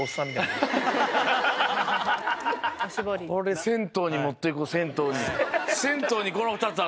これ銭湯に持って行こう銭湯に。